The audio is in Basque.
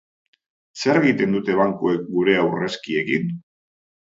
Zer egiten dute bankuek gure aurrezkiekin?